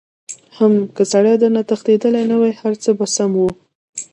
حم که سړی درنه تښتېدلی نه وای هرڅه به سم وو.